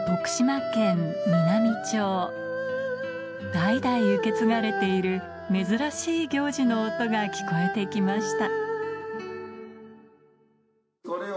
代々受け継がれている珍しい行事の音が聞こえて来ました